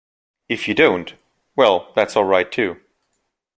If you don't — well, that's all right too.